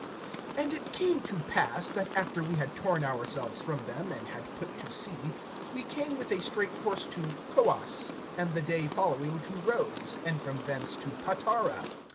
AND it came to pass, that after we had torn ourselves from them, and had put to sea, we came with a straight course to Coos, and the day following to Rhodes, and from thence to Patara.